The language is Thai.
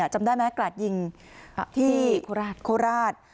จำได้ไหมกราดยิงที่โคราช